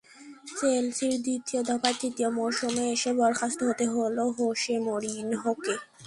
চেলসির দ্বিতীয় দফায় তৃতীয় মৌসুমে এসে বরখাস্ত হতে হলো হোসে মরিনহোকে।